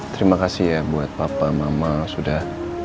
terima kasih ya buat papa mama sudah